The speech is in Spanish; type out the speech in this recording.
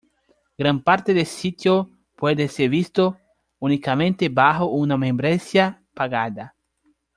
Gran parte del sitio puede ser visto únicamente bajo una membresía pagada.